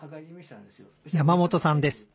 山本さんです。